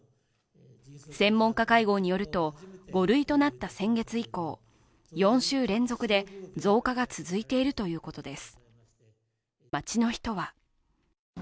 専門家会合によると５類となった先月以降、４週連続で増加が続いているということです。